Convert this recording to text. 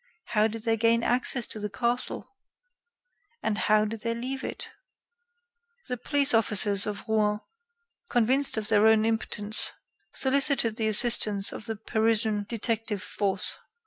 How did they gain access to the castle? And how did they leave it? The police officers of Rouen, convinced of their own impotence, solicited the assistance of the Parisian detective force.